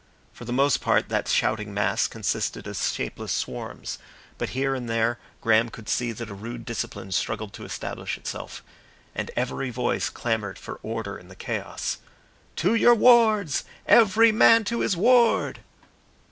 For the most part that shouting mass consisted of shapeless swarms, but here and there Graham could see that a rude discipline struggled to establish itself. And every voice clamoured for order in the chaos. "To your wards! Every man to his ward!"